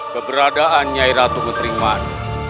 keberadaan nyai ratu ketriman